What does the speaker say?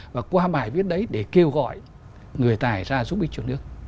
và qua bài viết đấy để kêu gọi người tài ra giúp ích cho nước